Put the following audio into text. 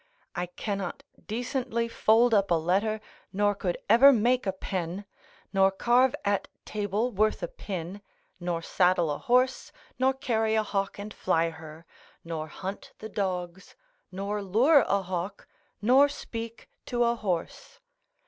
I cannot decently fold up a letter, nor could ever make a pen, or carve at table worth a pin, nor saddle a horse, nor carry a hawk and fly her, nor hunt the dogs, nor lure a hawk, nor speak to a horse.